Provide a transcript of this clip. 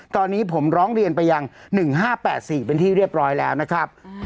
ตอนนี้ผมร้องเรียนไปยัง๑๕๘๔เป็นที่เรียบร้อยแล้วนะครับ